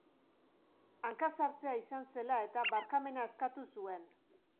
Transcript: Hankasartzea izan zela eta barkamena eskatu zuen.